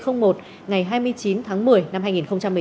ngày hai mươi chín tháng một mươi năm hai nghìn một mươi chín